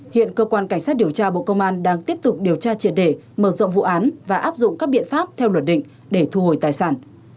hiện cơ quan cảnh sát điều tra bộ công an đang tiếp tục điều tra triệt đề mở rộng vụ án và áp dụng các biện pháp theo luật định để thu hồi tài sản